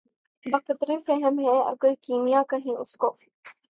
بہ قدرِ فہم ہے اگر کیمیا کہیں اُس کو